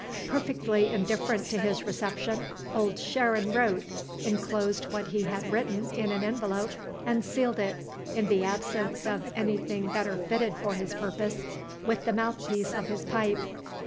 Perfectly indifferent to his reception, Old Sharon wrote, inclosed what he had written in an envelope; and sealed it (in the absence of anything better fitted for his purpose) with the mouthpiece of his pipe.